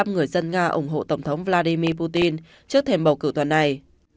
tám mươi sáu người dân nga ủng hộ tổng thống vladimir putin trước thềm bầu cử tuần này